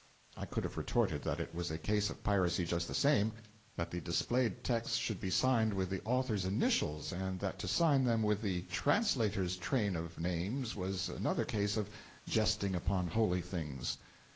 I could have retorted that it was a case of piracy just the same; that the displayed texts should be signed with the Author's initials, and that to sign them with the translator's train of names was another case of 'jesting upon holy things.'